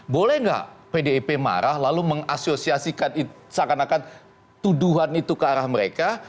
boleh nggak pdip marah lalu mengasosiasikan seakan akan tuduhan itu ke arah mereka